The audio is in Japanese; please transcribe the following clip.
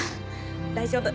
大丈夫！